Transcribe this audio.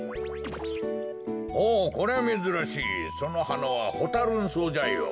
ほうこりゃめずらしいそのはなはホタ・ルン草じゃよ。